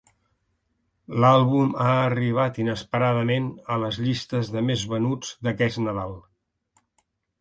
L'àlbum ha arribat inesperadament a les llistes de més venuts d'aquest Nadal.